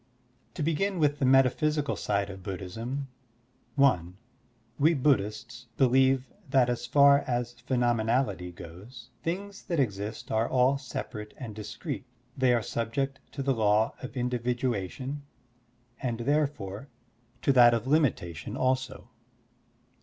To begin with the metaphysical side of Bud dhism: (i) We Buddhists believe that as far as phenomenality goes, things that exist are all separate and discrete, they are subject to the law of individuation and therefore to that of Digitized by Google WHAT IS BUDDHISM? 83 limitation also.